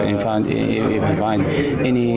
kita bisa menemukan beberapa jalanan yang berbeda